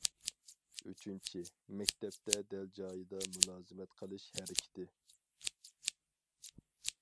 ئۈچىنچى، مەكتەپتە دەل جايىدا مۇلازىمەت قىلىش ھەرىكىتى.